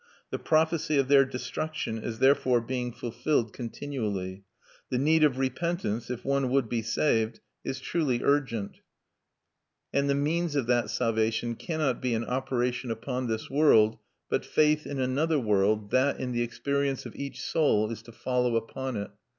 The prophecy of their destruction is therefore being fulfilled continually; the need of repentance, if one would be saved, is truly urgent; and the means of that salvation cannot be an operation upon this world, but faith in another world that, in the experience of each soul, is to follow upon it.